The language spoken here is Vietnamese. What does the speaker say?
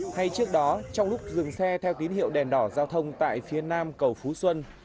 hay trước đó trong lúc dừng xe theo tín hiệu đèn đỏ giao thông tại phía nam cầu phú xuân